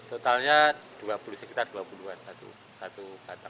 totalnya sekitar dua puluh an satu